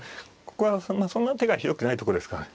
ここはそんな手が広くないとこですから。